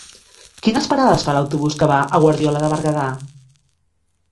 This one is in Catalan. Quines parades fa l'autobús que va a Guardiola de Berguedà?